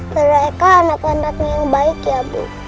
mereka anak anaknya yang baik ya bu